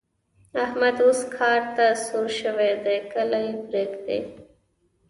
احمد اوس کار ته سور شوی دی؛ کله يې پرېږدي.